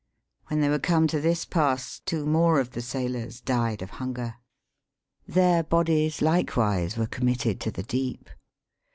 When they were come to this pass, two more of the sailors " died of hunger." Their bodies likewise, were committed to the deep.